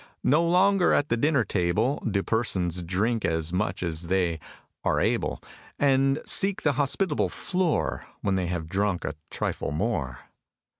No longer, at the dinner table, Do persons drink as much as they Are able; And seek the hospitable floor, When they have drunk a trifle more.